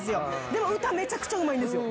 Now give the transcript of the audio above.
でも歌めちゃくちゃうまいんですよ。